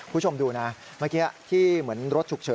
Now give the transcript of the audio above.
คุณผู้ชมดูนะเมื่อกี้ที่เหมือนรถฉุกเฉิน